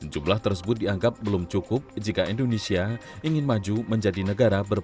jumlah tersebut dianggap belum cukup jika indonesia ingin maju menjadi negara berkembang